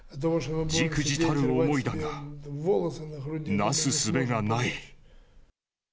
じくじたる思いだが、なすすべがない。